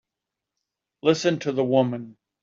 Listen to the woman!